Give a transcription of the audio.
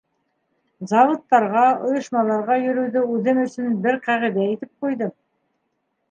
Заводтарға, ойошмаларға йөрөүҙе үҙем өсөн бер ҡағиҙә итеп ҡуйҙым.